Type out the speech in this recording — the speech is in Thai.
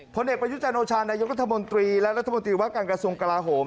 ผลเอกประยุจันโอชานายกรัฐมนตรีและรัฐมนตรีว่าการกระทรวงกลาโหม